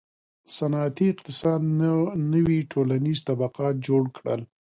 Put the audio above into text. • صنعتي اقتصاد نوي ټولنیز طبقات جوړ کړل.